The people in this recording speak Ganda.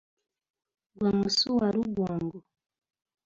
Gwe musu walugongo.